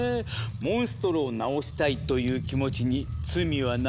モンストロを治したいという気持ちに罪はないわ。